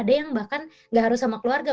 ada yang bahkan nggak harus sama sama